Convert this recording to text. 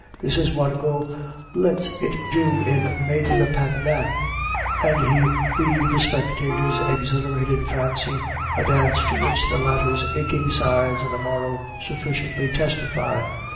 This is what Got lets it do in Maître Pathelin, and he leads the spectator's exhilarated fancy a dance to which the latter's aching sides on the morrow sufficiently testify.